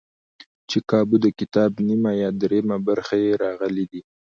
چې کابو دکتاب نیمه یا درېیمه برخه یې راغلي دي.